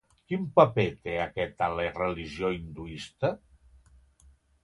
Quin paper té aquest a la religió hinduista?